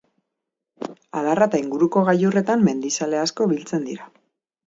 Adarra eta inguruko gailurretan mendizale asko biltzen dira.